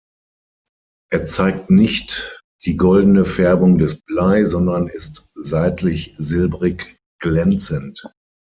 Er zeigt nicht die goldene Färbung des Blei, sondern ist seitlich silbrig glänzend.